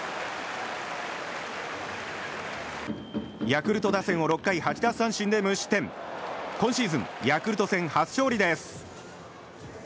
ヤクルト打線を６回８奪三振で抑え今シーズンヤクルト戦初勝利です。